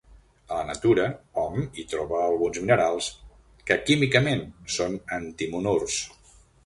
A la natura hom hi troba alguns minerals que químicament són antimonurs.